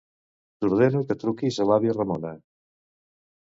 T'ordeno que truquis a l'àvia Ramona.